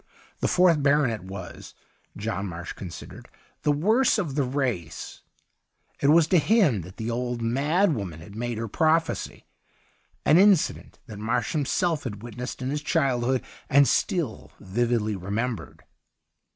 The fourth baronet was, John Marsh con sidered, the worst of the race ; it was to him that the old mad woman had made her prophecy, an incident that Marsh himself had witnessed in his childhood and still vividly remembered.